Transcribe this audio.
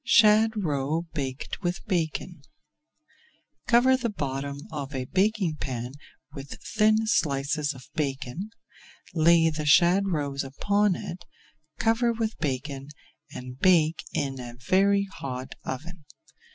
SHAD ROE BAKED WITH BACON Cover the bottom of a baking pan with thin slices of bacon, lay the shad roes upon it, cover with bacon, and bake in a very hot oven.